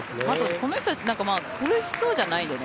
この人たち苦しそうじゃないよね。